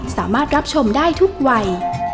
สามารถรับชมได้ทุกวัย